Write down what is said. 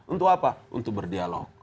untuk apa untuk berdialog